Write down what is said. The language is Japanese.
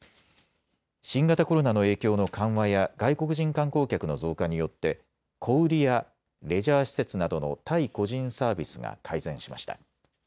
新型コロナの影響の緩和や外国人観光客の増加によって小売やレジャー施設などの対個人サービスが改善しました。